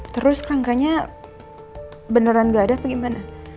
terus rangkanya beneran gak ada apa gimana